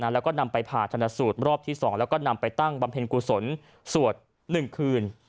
แล้วก็นำไปผ่าชนสูตรรอบที่๒แล้วก็นำไปตั้งบำเพ็ญกุศลสวด๑คืน